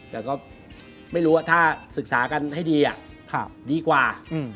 แต่ก็ไม่รู้ว่าถ้าศึกษากันให้ดีดีกว่า